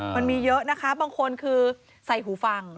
มันมีเยอะนะคะบางคนคือใส่หูฟัง